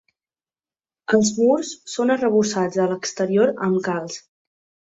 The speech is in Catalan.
Els murs són arrebossats a l’exterior amb calç.